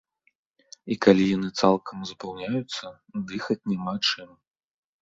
І калі яны цалкам запаўняюцца, дыхаць няма чым.